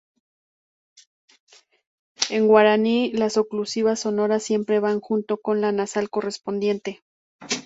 En guaraní las oclusivas sonoras siempre van junto con la nasal correspondiente.